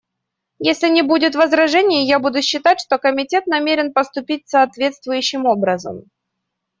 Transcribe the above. Если не будет возражений, я буду считать, что Комитет намерен поступить соответствующим образом.